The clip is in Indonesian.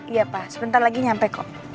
iya pak sebentar lagi nyampe kok